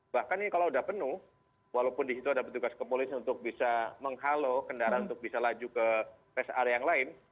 bahkan ini kalau sudah penuh walaupun di situ ada petugas kepolisian untuk bisa menghalau kendaraan untuk bisa laju ke rest area yang lain